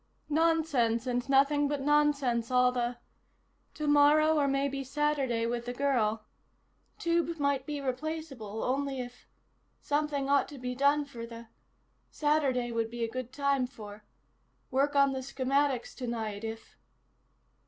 nonsense and nothing but nonsense all the ... tomorrow or maybe Saturday with the girl ... tube might be replaceable only if ... something ought to be done for the ... Saturday would be a good time for ... work on the schematics tonight if...."